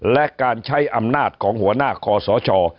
และการใช้อำนาจของหัวหน้าคอสช